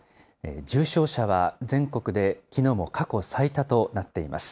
重症者は全国できのうも過去最多となっています。